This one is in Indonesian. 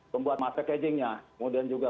pembuat masakagingnya kemudian juga